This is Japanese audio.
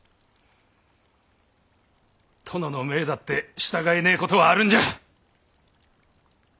殿の命だって従えねえことはあるんじゃ！